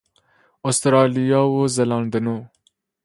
استرالیا و زلاند نو